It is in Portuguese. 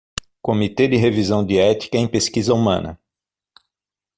Comitê de Revisão de Ética em Pesquisa Humana